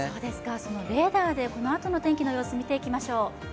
そのレーダーでこのあとの天気の様子、見ていきましょう。